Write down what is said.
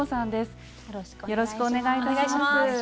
よろしくお願いします。